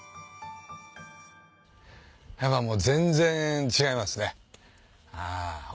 やっぱ全然違いますね。